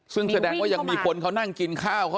ซึ่งแสดงว่ายังมีคนเขานั่งกินข้าวเขา